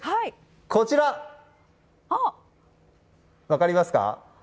こちら、分かりますか？